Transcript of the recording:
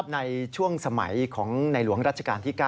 ในช่วงสมัยของในหลวงรัชกาลที่๙